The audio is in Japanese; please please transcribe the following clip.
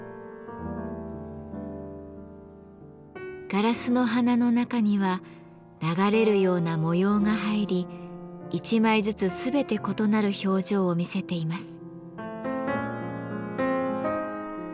ガラスの花の中には流れるような模様が入り一枚ずつ全て異なる表情を見せています。